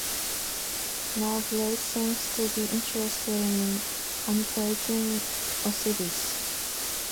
Now Blaze seems to be interested in manipulating Osiris.